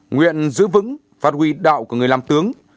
nguyện giữ vững phát huy đạo của người làm tướng